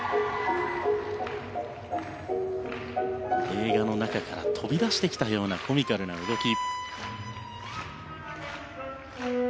映画の中から飛び出してきたようなコミカルな動き。